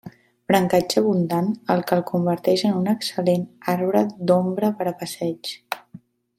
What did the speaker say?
Brancatge abundant, el que el converteix en un excel·lent arbre d'ombra per a passeigs.